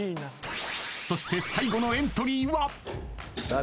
［そして最後のエントリーは］